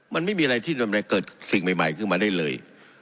มันไม่มีอะไรที่มันจะเกิดสิ่งใหม่ขึ้นมาได้เลย